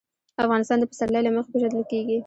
افغانستان د پسرلی له مخې پېژندل کېږي.